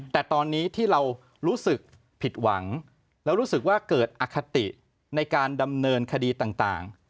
แต่ตอนนี้ที่เรารู้สึกผิดหวังแล้วรู้สึกว่าเกิดอคติในการดำเนินคดีต่าง